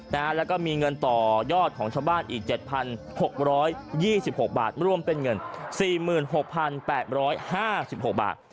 แล้วก็มีเงินต่อยอดของชาวบ้านอีก๗๖๒๖บาทรวมเป็นเงิน๔๖๘๕๖บาท